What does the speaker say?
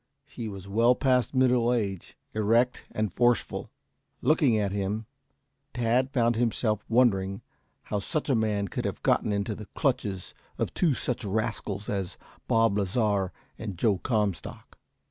He was well past middle age, erect and forceful. Looking at him, Tad found himself wondering how such a man could have gotten into the clutches of two such rascals as Bob Lasar and Joe Comstock.